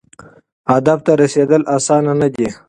هدف ته رسیدل اسانه نه دي.